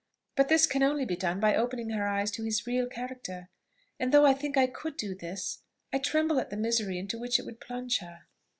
But this can only be done by opening her eyes to his real character; and though I think I could do this, I tremble at the misery into which it would plunge her.